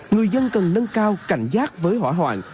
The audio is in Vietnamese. người dân cần nâng cao cảnh giác với hỏa hoạn